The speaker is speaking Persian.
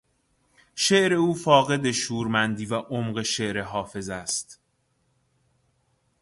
شعر او فاقد شورمندی و عمق شعر حافظ است.